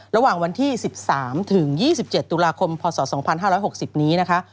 ระหว่างวันที่๑๓ถึง๒๗ตุลาคมพศ๒๕๖๐นี้นะคะ